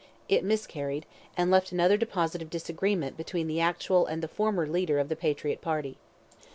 It miscarried, and left another deposit of disagreement between the actual and the former leader of the Patriot party.